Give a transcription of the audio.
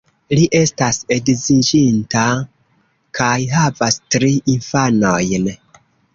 Li estas edziĝinta, kaj havas tri infanojn.